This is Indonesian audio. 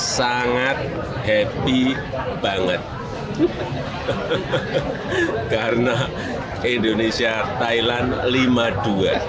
sangat happy banget karena indonesia thailand lima dua